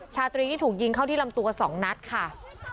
เพราะเขาถูกยิงเข้าที่ลำตัว๒นัทค่ะ